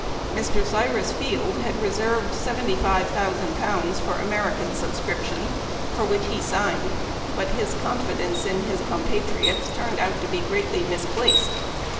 Mr. Cyrus Field had reserved £75,000 for American subscription, for which he signed, but his confidence in his compatriots turned out to be greatly misplaced.